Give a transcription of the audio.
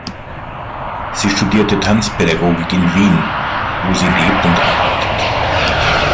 Sie studierte Tanzpädagogik in Wien, wo sie lebt und arbeitet.